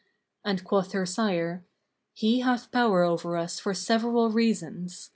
and quoth her sire, "He hath power over us for several reasons.